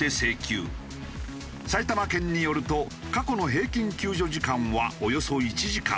埼玉県によると過去の平均救助時間はおよそ１時間。